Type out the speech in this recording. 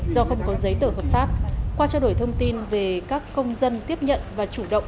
do không có giấy tờ hợp pháp qua trao đổi thông tin về các công dân tiếp nhận và chủ động